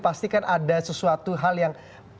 pasti kan ada sesuatu hal yang